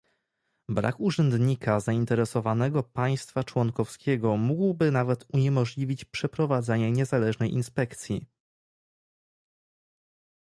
Brak urzędnika zainteresowanego państwa członkowskiego mógłby nawet uniemożliwić przeprowadzenie niezależnej inspekcji